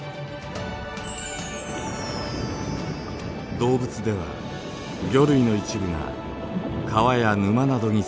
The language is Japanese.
動物では魚類の一部が川や沼などに生息していました。